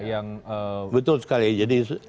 yang betul sekali jadi